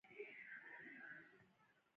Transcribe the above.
عصري تعلیم مهم دی ځکه چې نوښت هڅوي.